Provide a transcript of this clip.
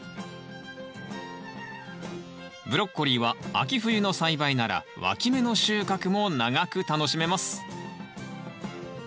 ブロッコリーは秋冬の栽培ならわき芽の収穫も長く楽しめます。